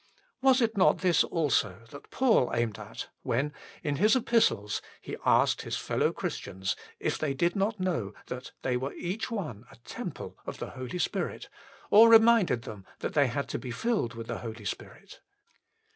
l Was it not this also that Paul aimed at when in his Epistles he asked his fellow Christians if they did not know > that they were each one " a temple of the Holy Spirit," or reminded them that they had to be " filled with the Holy Spirit